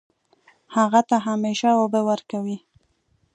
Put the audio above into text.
هغه ته همیشه اوبه ورکوئ